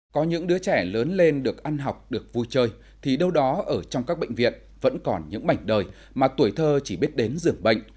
có những đứa trẻ lớn lên được ăn học được vui chơi thì đâu đó ở trong các bệnh viện vẫn còn những mảnh đời mà tuổi thơ chỉ biết đến dường bệnh